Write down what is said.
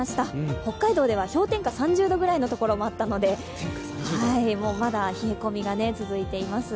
北海道では氷点下３０度ぐらいのところもあったのでまだ冷え込みが続いています。